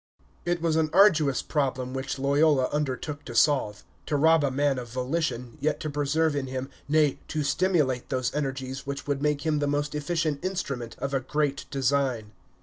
It was an arduous problem which Loyola undertook to solve, to rob a man of volition, yet to preserve in him, nay, to stimulate, those energies which would make him the most efficient instrument of a great design.